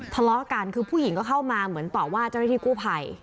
ทะเลาะกันคือผู้หญิงก็เข้ามาเหมือนต่อว่าเจ้าหน้าที่กู้ภัย